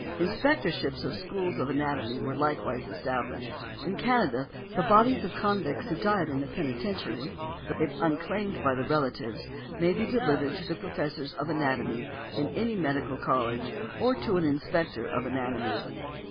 Inspectorships of schools of anatomy were likewise established. In Canada, the bodies of convicts who die in a penitentiary, if unclaimed by the relatives, may be delivered to the professors of anatomy in any medical college, or to an inspector of anatomy .